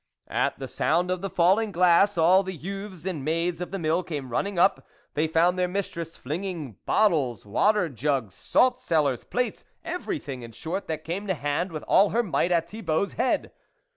At the sound of the falling glass, all the youths and maids of the Mill came running up. They fpund their mistress flinging bottler, water jugs, salt cellars, plates, everything in short that came to hand, with all her might at Thibault's head.